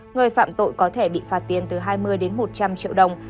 người phạm tội có thể bị phạt tiền từ hai mươi đến một trăm linh triệu đồng